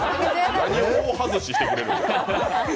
何を大外ししてくれる。